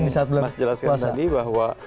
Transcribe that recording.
seperti yang mas jelaskan tadi bahwa